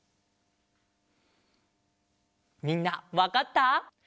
みんなわかった？